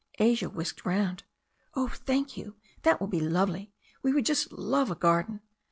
Asia whisked round. "Oh, thank you. That will be lovely. We would just love a garden."